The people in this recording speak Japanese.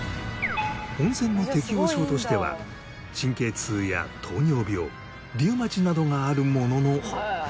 温泉の適応症としては神経痛や糖尿病リウマチなどがあるものの。